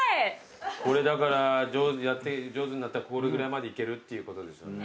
上手になったらこれぐらいまでいけるっていうことですよね。